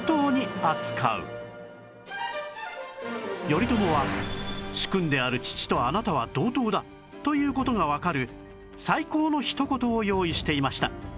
頼朝は主君である父とあなたは同等だという事がわかる最高のひと言を用意していました